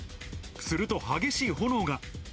すると、激しい炎が。